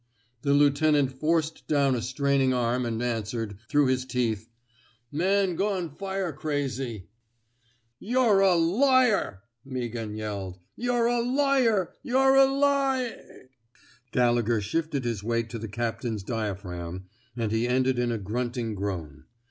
The lieutenant forced down a straining arm and answered, through his teeth: *^ Man gone fire crazy I 'Yuh're a liar!*' Meaghan yelled. ^^ Yuh'realiarl Yuh're a li i '' Galle gher shifted his weight to the captain's dia phragm, and he. ended in a grunting groan.